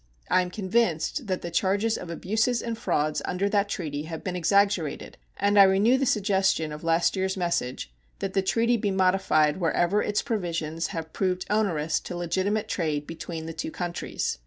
I am convinced that the charges of abuses and frauds under that treaty have been exaggerated, and I renew the suggestion of last year's message that the treaty be modified wherever its provisions have proved onerous to legitimate trade between the two countries.